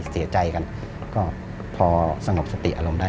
เสียใจกันก็พอสงบสติอารมณ์ได้